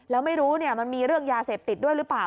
แล้วไม่รู้มันมีเรื่องยาเสพติดด้วยหรือเปล่า